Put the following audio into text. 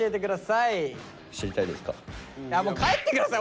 いやもう帰って下さい！